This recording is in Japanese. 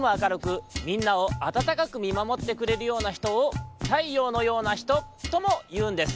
みんなをあたたかくみまもってくれるようなひとを「太陽のようなひと」ともいうんです。